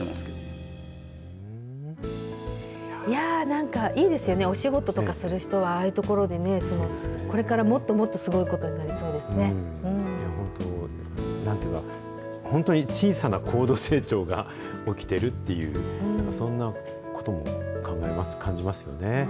なんか、いいですよね、お仕事とかする人は、ああいう所で、これからもっともっと、すごいことになりそうです本当、なんて言うか、本当に小さな高度成長が起きているっていう、なんかそんなことも感じますよね。